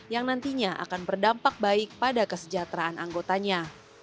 yang nantinya akan berdampak baik pada kesejahteraan anggotanya